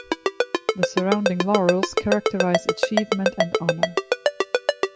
The surrounding laurels characterize achievement and honor.